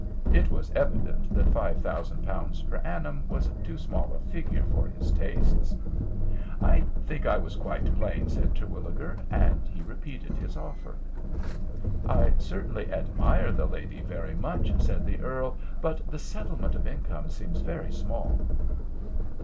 It was evident that five thousand pounds per annum was too small a figure for his tastes. "I think I was quite plain," said Terwilliger, and he repeated his offer. "I certainly admire the lady very much," said the earl; "but the settlement of income seems very small."